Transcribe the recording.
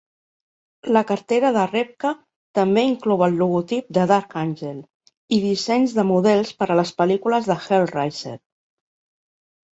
La cartera de Repka també inclou el logotip de Dark Angel i dissenys de models per a les pel·lícules de "Hellraiser".